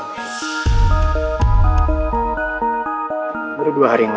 ketika bayu sudah meninggal bayu sudah meninggal